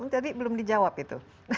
tadi belum dijawab itu